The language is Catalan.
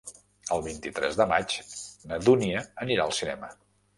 El vint-i-tres de maig na Dúnia anirà al cinema.